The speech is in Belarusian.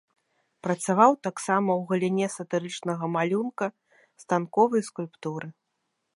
Працаваў таксама ў галіне сатырычнага малюнка, станковай скульптуры.